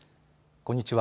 こんにちは。